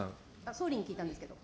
総理に聞いたんですけど。